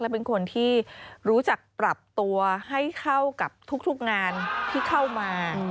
และเป็นคนที่รู้จักปรับตัวให้เข้ากับทุกงานที่เข้ามา